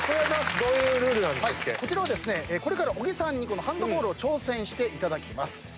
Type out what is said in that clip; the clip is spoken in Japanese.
こちらはこれから小木さんにこのハンドボールを挑戦していただきます。